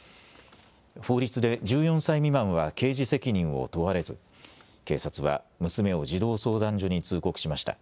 法律で１４歳未満は刑事責任を問われず警察は娘を児童相談所に通告しました。